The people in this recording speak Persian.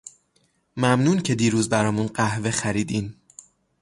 ممنون که دیروز برامون قهوه خریدین.